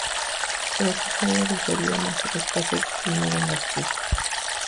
Pero todavía difería más el espacio destinado al archivo.